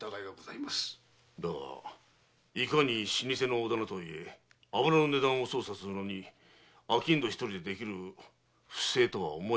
だがいかに老舗の大店とはいえ油の値段を操作するのに商人ひとりでできる不正とは思えんがな。